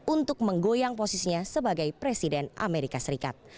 untuk menggoyang posisinya sebagai presiden amerika serikat